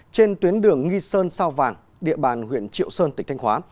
trên tuyến đường nghi sơn sao vàng địa bàn huyện triệu sơn tỉnh thanh hóa